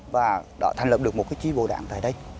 và đã thành lập được một cái chi bộ đảng tại đây